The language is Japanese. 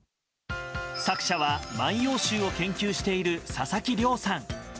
作者は「万葉集」を研究している佐々木良さん。